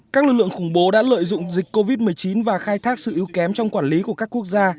các lực lượng khủng bố đã lợi dụng dịch covid một mươi chín và khai thác sự yếu kém trong quản lý của các quốc gia